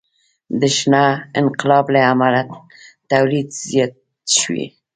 د شنه انقلاب له امله تولید زیات شو.